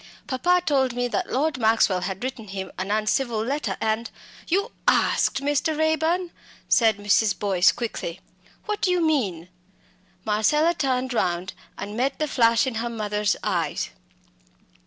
Papa told me that Lord Maxwell had written him an uncivil letter and " "You asked Mr. Raeburn " said Mrs. Boyce, quickly. "What do you mean?" Marcella turned round and met the flash of her mother's eyes.